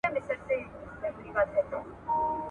تېروتنې کوي.